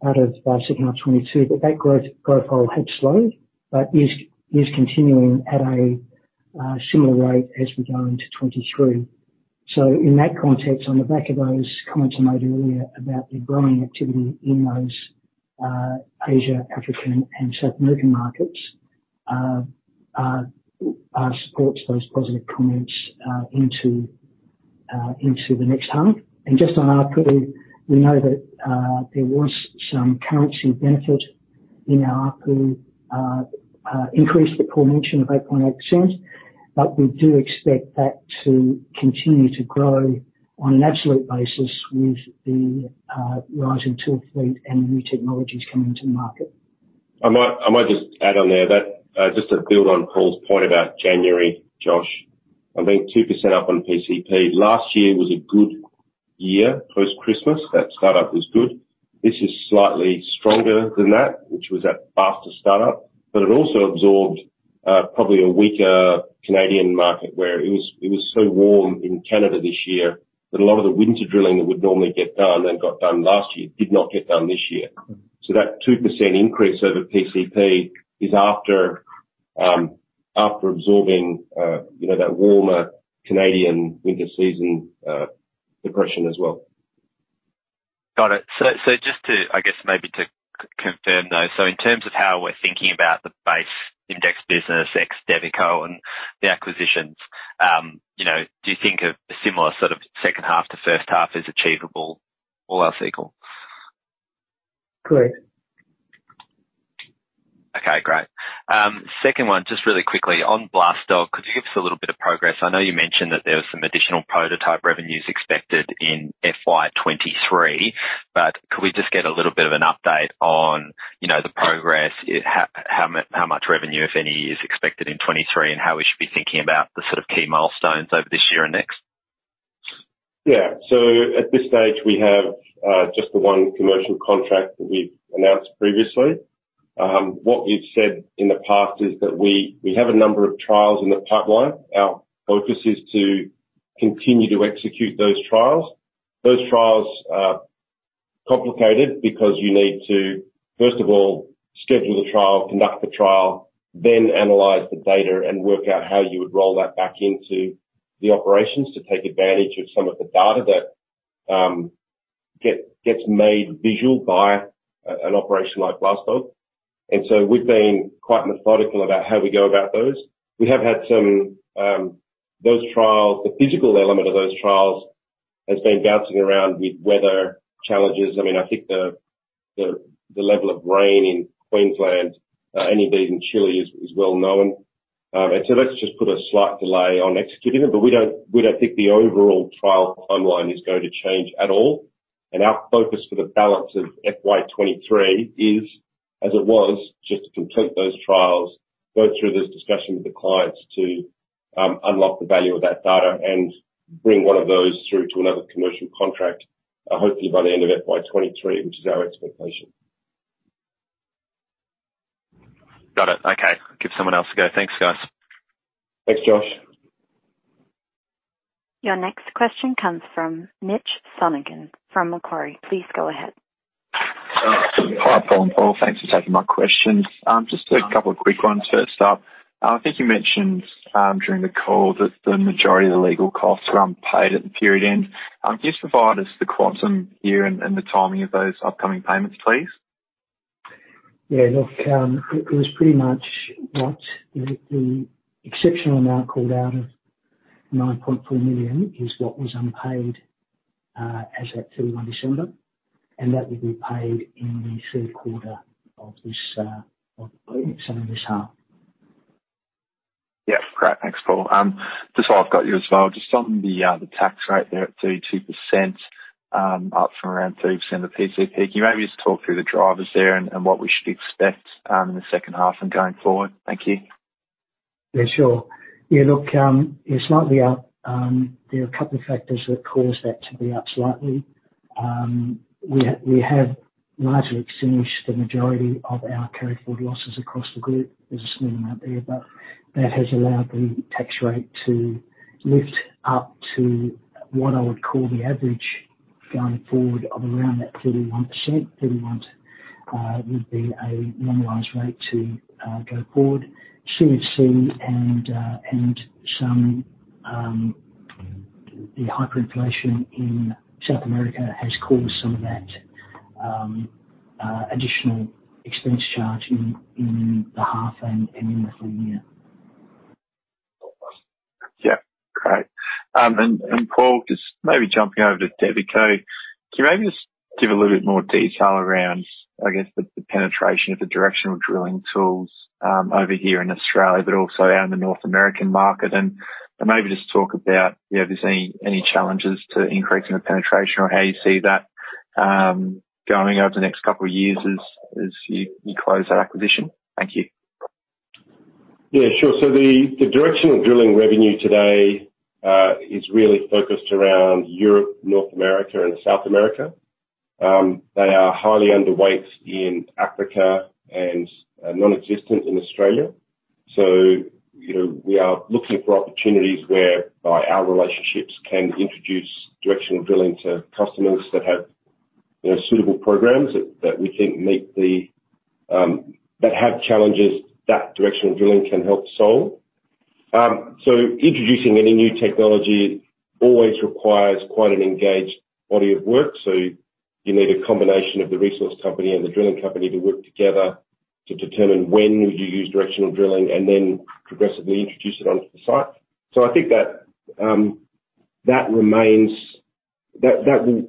out of second of 2022, that that growth profile had slowed, but is continuing at a similar rate as we go into 2023. In that context, on the back of those comments I made earlier about the growing activity in those Asia, African and South American markets supports those positive comments into the next half. Just on ARPU, we know that there was some currency benefit in our ARPU increase that Paul mentioned of 8.8%, but we do expect that to continue to grow on an absolute basis with the rise in tool fleet and new technologies coming into the market. I might just add on there that, just to build on Paul's point about January, Josh, I think 2% up on PCP. Last year was a good year post-Christmas. That start up was good. This is slightly stronger than that, which was that faster start up. It also absorbed, probably a weaker Canadian market where it was, it was so warm in Canada this year that a lot of the winter drilling that would normally get done, and got done last year did not get done this year. That 2% increase over PCP is after absorbing, you know, that warmer Canadian winter season, depression as well. Got it. Just to, I guess maybe to confirm though. In terms of how we're thinking about the base IMDEX business, ex Devico and the acquisitions, you know, do you think a similar sort of second half to first half is achievable all else equal? Correct. Okay, great. Second one, just really quickly on BLASTDOG, could you give us a little bit of progress? I know you mentioned that there was some additional prototype revenues expected in FY 2023, but could we just get a little bit of an update on, you know, the progress? How much revenue, if any, is expected in 2023 and how we should be thinking about the sort of key milestones over this year and next? At this stage, we have just the one commercial contract that we've announced previously. What we've said in the past is that we have a number of trials in the pipeline. Our focus is to continue to execute those trials. Those trials are complicated because you need to, first of all, schedule the trial, conduct the trial, then analyze the data and work out how you would roll that back into the operations to take advantage of some of the data that gets made visual by an operation like BLASTDOG. We've been quite methodical about how we go about those. We have had some, those trials, the physical element of those trials has been bouncing around with weather challenges. I mean, I think the level of rain in Queensland and even in Chile is well known. That's just put a slight delay on executing them. We don't think the overall trial timeline is going to change at all. Our focus for the balance of FY 2023 is, as it was, just to complete those trials, work through this discussion with the clients to unlock the value of that data and bring one of those through to another commercial contract, hopefully by the end of FY 2023, which is our expectation. Got it. Okay. Give someone else a go. Thanks, guys. Thanks, Josh. Your next question comes from Mitch Sonogan from Macquarie. Please go ahead. Hi, Paul and Paul. Thanks for taking my questions. Just a couple of quick ones. First up, I think you mentioned during the call that the majority of the legal costs were unpaid at the period end. Can you just provide us the quantum here and the timing of those upcoming payments, please? Yeah. Look, it was pretty much what the exceptional amount called out of 9.4 million is what was unpaid, as at 31 December. That would be paid in the third quarter of this, of the second of this half. Yeah. Great. Thanks, Paul. Just while I've got you as well, just on the tax rate there at 32%, up from around 30% of PCP. Can you maybe just talk through the drivers there and what we should expect in the second half and going forward? Thank you. Yeah, sure. Yeah, look, it's slightly up. There are a couple of factors that cause that to be up slightly. We have largely extinguished the majority of our carry forward losses across the group. There's a small amount there, but that has allowed the tax rate to lift up to what I would call the average going forward of around that 31%. 31% would be a normalized rate to go forward. CHC and some the hyperinflation in South America has caused some of that additional expense charge in the half and in the full-year. Yeah. Great. And Paul, just maybe jumping over to Devico. Can you maybe just give a little bit more detail around, I guess, the penetration of the directional drilling tools, over here in Australia, but also out in the North American market. Maybe just talk about if there's any challenges to increasing the penetration or how you see that going over the next couple of years as you close that acquisition. Thank you. Yeah, sure. The directional drilling revenue today is really focused around Europe, North America and South America. They are highly underweight in Africa and nonexistent in Australia. You know, we are looking for opportunities whereby our relationships can introduce directional drilling to customers that have, you know, suitable programs that we think meet the. That have challenges that directional drilling can help solve. Introducing any new technology always requires quite an engaged body of work. You need a combination of the resource company and the drilling company to work together to determine when would you use directional drilling and then progressively introduce it onto the site. I think that remains, that will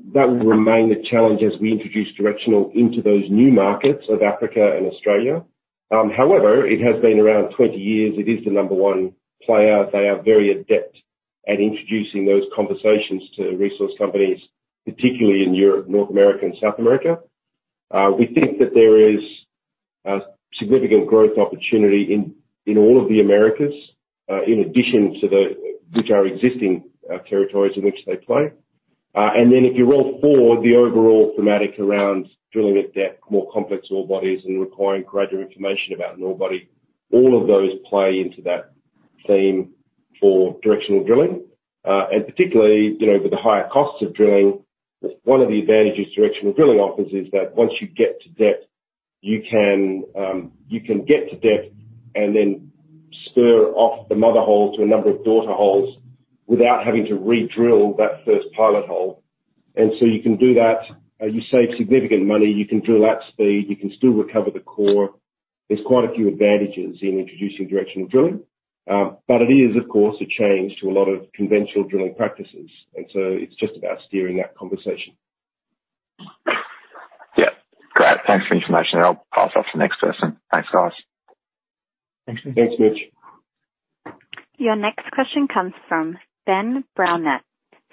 remain the challenge as we introduce directional into those new markets of Africa and Australia. s been around 20 years. It is the number one player. They are very adept at introducing those conversations to resource companies, particularly in Europe, North America and South America. We think that there is a significant growth opportunity in all of the Americas, in addition to the existing territories in which they play. And then if you roll forward the overall thematic around drilling at depth, more complex ore bodies and requiring greater information about an ore body, all of those play into that theme for directional drilling Particularly, you know, with the higher costs of drilling, one of the advantages directional drilling offers is that once you get to depth, you can get to depth and then spur off the mother hole to a number of daughter holes without having to redrill that first pilot hole. You can do that. You save significant money, you can drill at speed, you can still recover the core. There's quite a few advantages in introducing directional drilling. It is of course a change to a lot of conventional drilling practices. It's just about steering that conversation. Yeah. Great. Thanks for the information. I'll pass off to the next person. Thanks, guys. Thanks. Thanks, Mitch. Your next question comes from Ben Brownette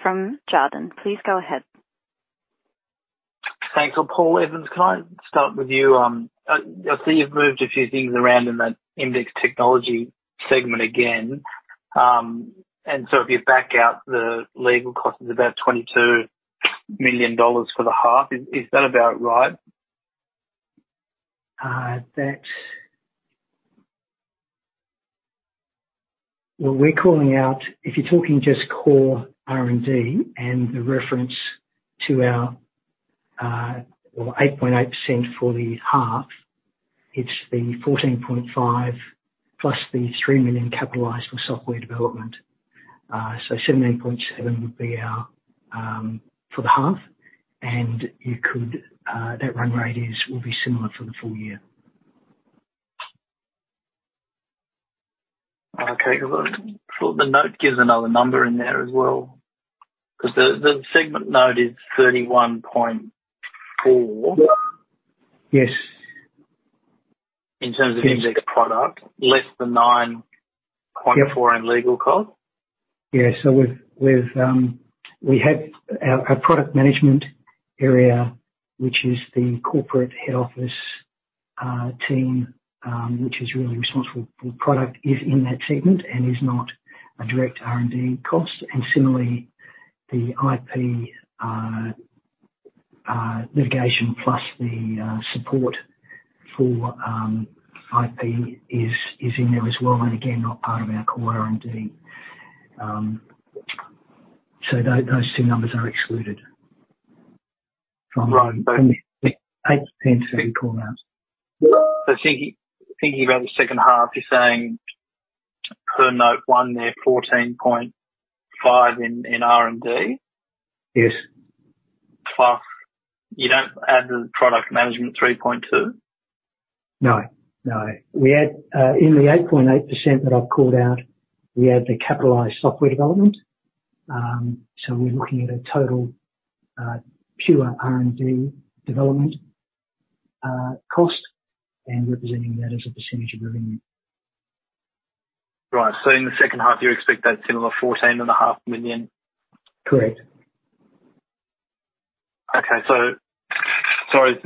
from Jarden. Please go ahead. Thanks. Paul Evans, can I start with you? I see you've moved a few things around in that IMDEX technology segment again. If you back out the legal cost is about 22 million dollars for the half. Is that about right? What we're calling out, if you're talking just core R&D and the reference to our, well, 8.8% for the half, it's the 14.5 million plus the 3 million capitalized for software development. 17.7 million would be our for the half. You could that run rate will be similar for the full-year. Okay. 'Cause I thought the note gives another number in there as well. 'Cause the segment note is 31.4. Yes. In terms of IMDEX product, less than 9.4 in legal cost. We've our product management area, which is the corporate head office team, which is really responsible for product is in that segment and is not a direct R&D cost. Similarly, the IP litigation plus the support for IP is in there as well. Again, not part of our core R&D. Those two numbers are excluded. Right. 8% call out. thinking about the second half, you're saying per note one there, 14.5 in R&D? Yes. you don't add the product management 3.2? No, no. We add, in the 8.8% that I've called out, we add the capitalized software development. We're looking at a total, pure R&D development, cost and representing that as a percentage of revenue. Right. In the second half, you expect that similar 14.5 Million? Correct. Okay, sorry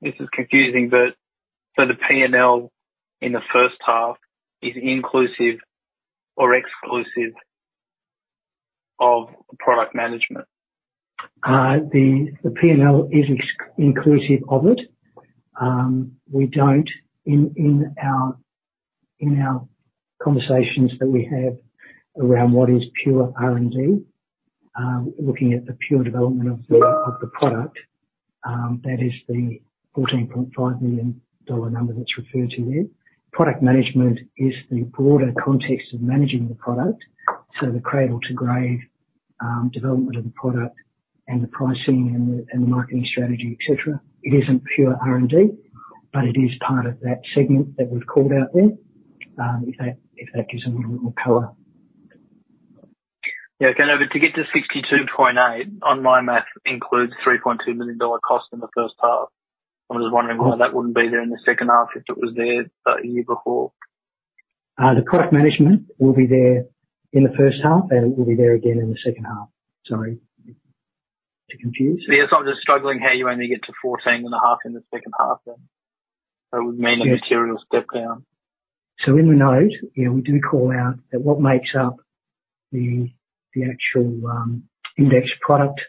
this is confusing, but so the P&L in the first half is inclusive or exclusive of product management? The P&L is ex-inclusive of it. We don't in our conversations that we have around what is pure R&D, looking at the pure development of the product, that is the 14.5 million dollar number that's referred to there. Product management is the broader context of managing the product. The cradle-to-grave development of the product and the pricing and the marketing strategy, et cetera. It isn't pure R&D, but it is part of that segment that we've called out there, if that gives a little more color. Yeah. Okay. To get to 62.8 million on my math includes 3.2 million dollar cost in the first half. I'm just wondering why that wouldn't be there in the second half if it was there the year before. The product management will be there in the first half, and it will be there again in the second half. Sorry to confuse. I'm just struggling how you only get to 14.5 in the second half then. Yes. a material step down. In the note, yeah, we do call out that what makes up the actual IMDEX product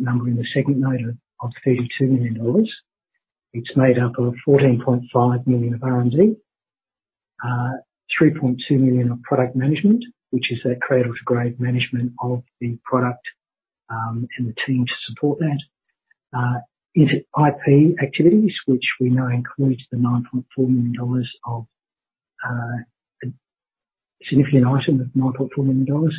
number in the segment note of 32 million dollars. It's made up of 14.5 million of R&D, 3.2 million of product management, which is that cradle-to-grave management of the product and the team to support that. Is it IP activities which we know includes the AUD 9.4 million of a significant item of 9.4 million dollars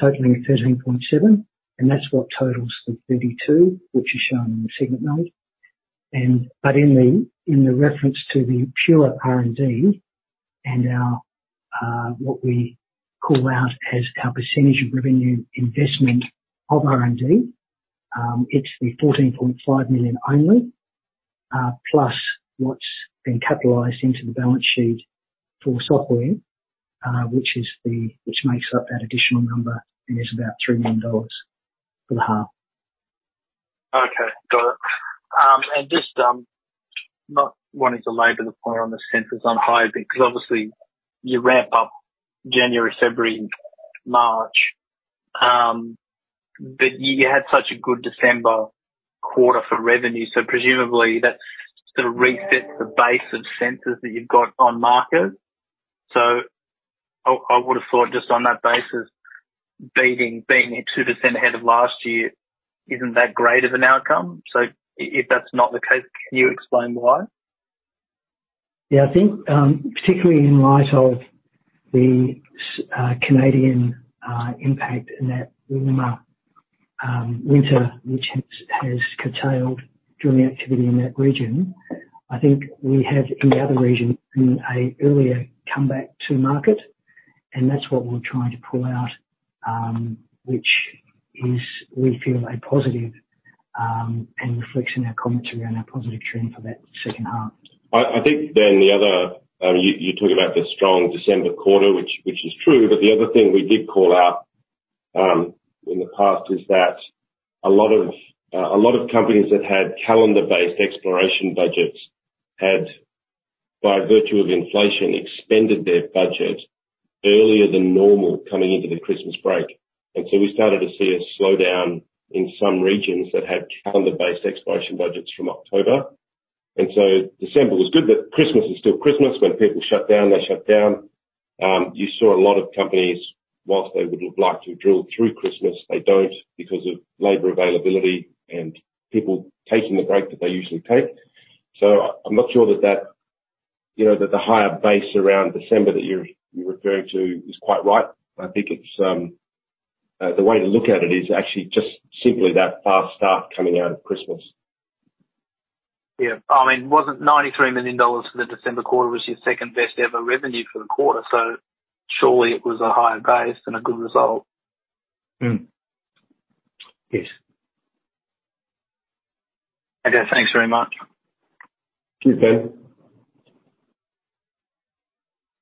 totaling at 13.7 million. That's what totals the 32 million, which is shown in the segment note. But in the reference to the pure R&D and our what we call out as our percentage of revenue investment of R&D, it's the 14.5 million only, plus what's been capitalized into the balance sheet for software, which makes up that additional number and is about 3 million dollars for the half. Okay. Got it. Just not wanting to labor the point on the sensors on hire because obviously you ramp up January, February, March. You had such a good December quarter for revenue. Presumably that sort of resets the base of sensors that you've got on market. I would have thought just on that basis, being at 2% ahead of last year isn't that great of an outcome. If that's not the case, can you explain why? I think, particularly in light of the Canadian impact and that warmer winter, which has curtailed drilling activity in that region, I think we have in the other region a earlier comeback to market, and that's what we're trying to pull out, which is we feel a positive, and reflects in our commentary and our positive trend for that second half. I think then the other. You talk about the strong December quarter, which is true, but the other thing we did call out in the past is that a lot of companies that had calendar-based exploration budgets had, by virtue of inflation, expended their budget earlier than normal coming into the Christmas break. We started to see a slowdown in some regions that had calendar-based exploration budgets from October. December was good, but Christmas is still Christmas. When people shut down, they shut down. You saw a lot of companies, whilst they would have liked to drill through Christmas, they don't because of labor availability and people taking the break that they usually take. I'm not sure that, you know, that the higher base around December that you're referring to is quite right. I think it's, the way to look at it is actually just simply that fast start coming out of Christmas. Yeah. I mean, wasn't AUD 93 million for the December quarter was your second-best-ever revenue for the quarter, surely it was a higher base than a good result? Mm-hmm. Yes. Okay. Thanks very much. Cheers.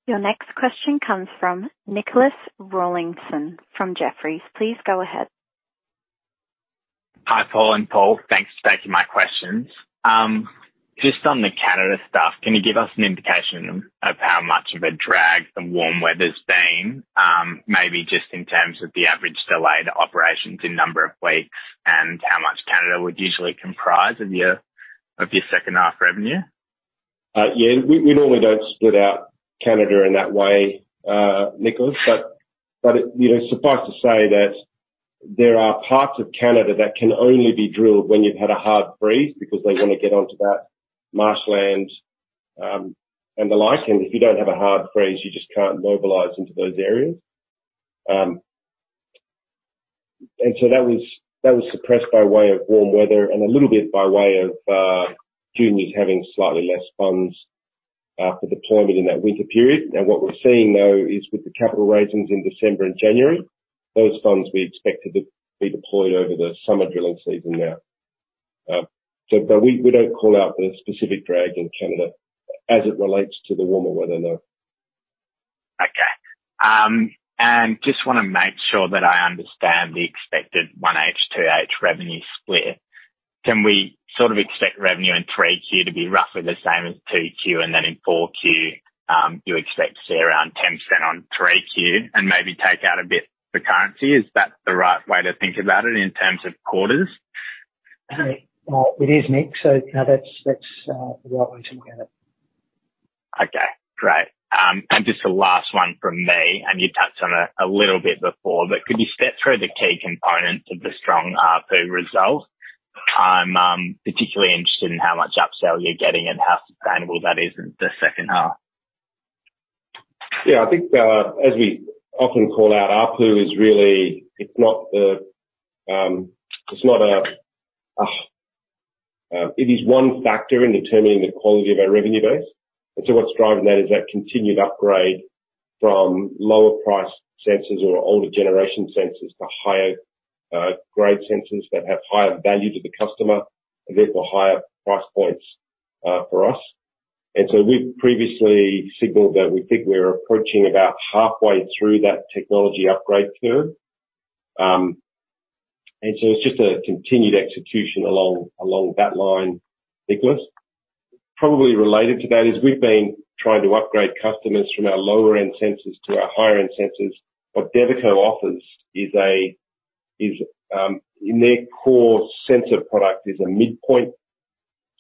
Your next question comes from Nicholas Rollinson from Jefferies. Please go ahead. Hi, Paul and Paul. Thanks for taking my questions. Just on the Canada stuff, can you give us an indication of how much of a drag the warm weather's been, maybe just in terms of the average delayed operations in number of weeks and how much Canada would usually comprise of your, of your second half revenue? We, we normally don't split out Canada in that way, Nicholas, you know, suffice to say that there are parts of Canada that can only be drilled when you've had a hard freeze because they want to get onto that marshland and the like. If you don't have a hard freeze, you just can't mobilize into those areas. That was, that was suppressed by way of warm weather and a little bit by way of juniors having slightly less funds for deployment in that winter period. What we're seeing, though, is with the capital raisings in December and January, those funds we expect to be deployed over the summer drilling season now. We, we don't call out the specific drag in Canada as it relates to the warmer weather, no. Okay. Just wanna make sure that I understand the expected 1H, 2H revenue split. Can we sort of expect revenue in 3Q to be roughly the same as 2Q and then in 4Q, you expect to see around 10% on 3Q and maybe take out a bit for currency? Is that the right way to think about it in terms of quarters? It is, Nick. So, you know, that's the right way to look at it. Okay. Great. Just the last one from me, and you touched on it a little bit before. Could you step through the key components of the strong PO result? I'm particularly interested in how much upsell you're getting and how sustainable that is in the second half. I think, as we often call out, ARPU is really. It's not the, it's not a, it is one factor in determining the quality of our revenue base. What's driving that is that continued upgrade from lower price sensors or older generation sensors to higher grade sensors that have higher value to the customer and therefore higher price points for us. We've previously signaled that we think we're approaching about halfway through that technology upgrade curve. It's just a continued execution along that line, Nicholas. Probably related to that is we've been trying to upgrade customers from our lower end sensors to our higher end sensors. What Devico offers is a in their core sensor product is a midpoint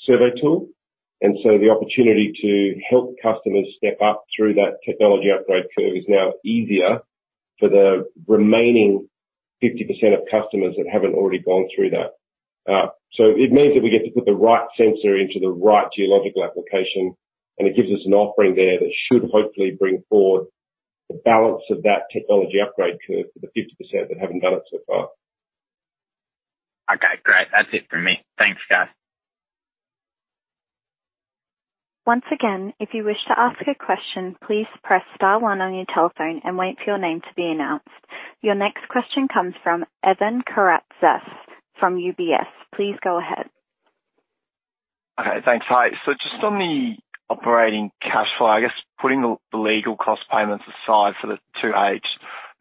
survey tool. The opportunity to help customers step up through that technology upgrade curve is now easier for the remaining 50% of customers that haven't already gone through that. It means that we get to put the right sensor into the right geological application. It gives us an offering there that should hopefully bring forward the balance of that technology upgrade curve for the 50% that haven't done it so far. Okay, great. That's it from me. Thanks, guys. Once again, if you wish to ask a question, please press star one on your telephone and wait for your name to be announced. Your next question comes from Evan Karatzas from UBS. Please go ahead. Okay, thanks. Hi. Just on the operating cash flow, I guess putting the legal cost payments aside for the 2H,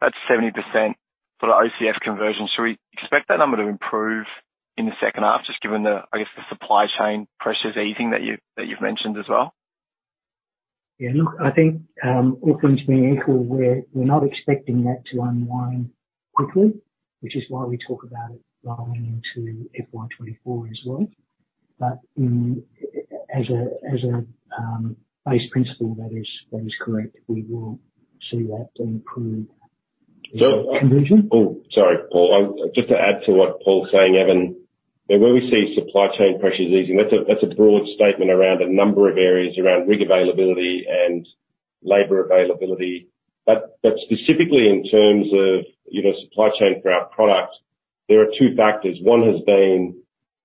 that's 70% for the OCF conversion. Should we expect that number to improve in the 2H just given the, I guess, the supply chain pressures easing that you, that you've mentioned as well? Yeah, look, I think, all things being equal, we're not expecting that to unwind quickly, which is why we talk about it rolling into FY 2024 as well. In, as a base principle, that is correct. We will see that improve conversion. Sorry, Paul. Just to add to what Paul's saying, Evan, you know, where we see supply chain pressures easing, that's a, that's a broad statement around a number of areas around rig availability and labor availability. But specifically in terms of, you know, supply chain for our products, there are two factors. One has been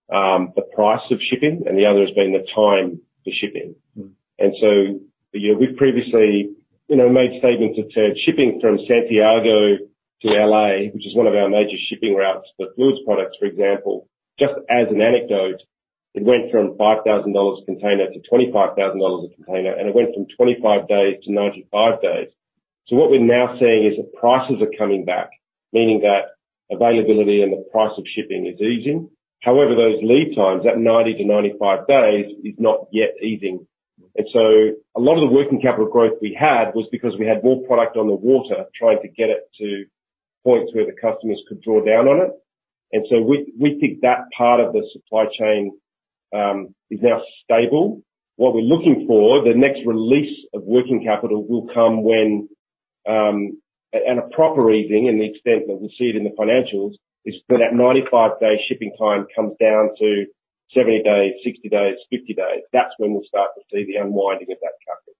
the price of shipping, and the other has been the time to shipping. Mm. You know, we've previously made statements that said shipping from Santiago to L.A., which is one of our major shipping routes for fluids products, for example, just as an anecdote, it went from $5,000 a container to $25,000 a container, and it went from 25 days to 95 days. What we're now seeing is that prices are coming back, meaning that availability and the price of shipping is easing. However, those lead times, that 90-95 days, is not yet easing. A lot of the working capital growth we had was because we had more product on the water trying to get it to points where the customers could draw down on it. We think that part of the supply chain is now stable. What we're looking for, the next release of working capital will come when, and a proper easing in the extent that we'll see it in the financials, is when that 95-day shipping time comes down to 70 days, 60 days, 50 days. That's when we'll start to see the unwinding of that capital.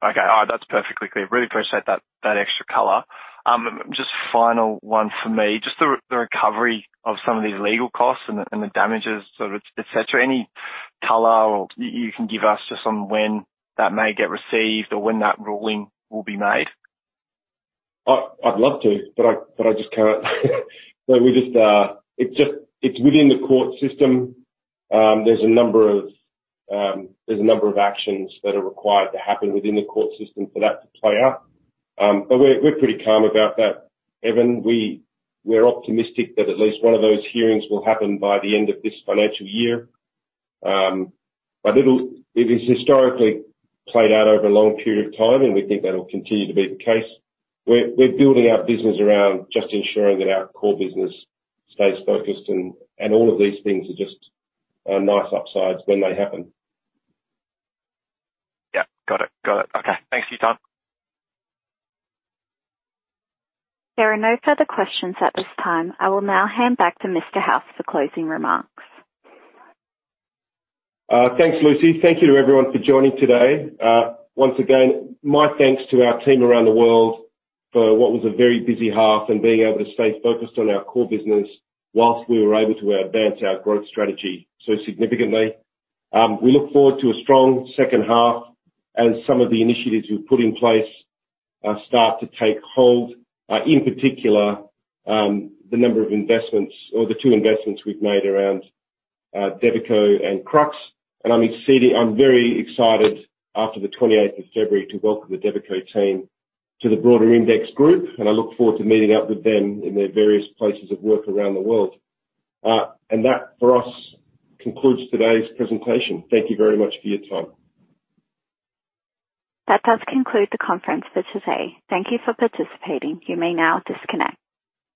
Okay. All right. That's perfectly clear. Really appreciate that extra color. Just final one for me, just the recovery of some of these legal costs and the, and the damages, sort of, et cetera. Any color or you can give us just on when that may get received or when that ruling will be made? I'd love to, but I just can't. We just. It's just, it's within the court system. There's a number of actions that are required to happen within the court system for that to play out. We're pretty calm about that, Evan. We're optimistic that at least one of those hearings will happen by the end of this financial year. It'll, it has historically played out over a long period of time, and we think that'll continue to be the case. We're building our business around just ensuring that our core business stays focused and all of these things are just nice upsides when they happen. Yeah. Got it. Got it. Okay. Thanks for your time. There are no further questions at this time. I will now hand back to Mr. House for closing remarks. Thanks, Lucy. Thank you to everyone for joining today. Once again, my thanks to our team around the world for what was a very busy half and being able to stay focused on our core business whilst we were able to advance our growth strategy so significantly. We look forward to a strong second half as some of the initiatives we've put in place, start to take hold, in particular, the number of investments or the two investments we've made around Devico and Krux. I'm very excited after the 28th of February to welcome the Devico team to the broader IMDEX group, and I look forward to meeting up with them in their various places of work around the world. That, for us, concludes today's presentation. Thank you very much for your time. That does conclude the conference for today. Thank you for participating. You may now disconnect.